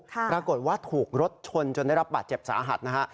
ปรากฏว่าถูกรถชนจนได้รับบาดเจ็บสาหัสนะฮะ